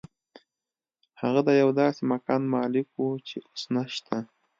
هغه د یو داسې مکان مالک و چې اوس نشته